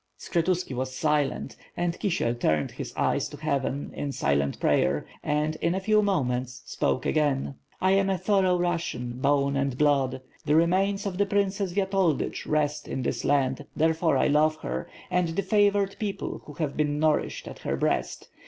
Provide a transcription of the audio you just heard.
Skshetuski was silent, and Kisiel turned his eyes to heaven in silent prayer and in a few moments spoke again: "I am a thorough Russian, bone and blood. The remains of the Princess Viatoldych rest in this land, therefore I love her, and the favored people who have been nourished at her breast.